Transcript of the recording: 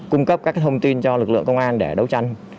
cung cấp các thông tin cho lực lượng công an để đấu tranh